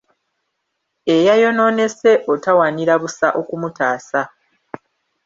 Eyaayonoonese otawaanira busa okumutaasa.